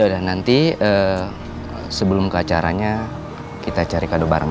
nanti sebelum ke acaranya kita cari kado bareng